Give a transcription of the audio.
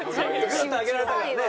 グッと上げられたからね。